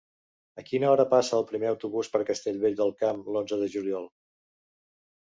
A quina hora passa el primer autobús per Castellvell del Camp l'onze de juliol?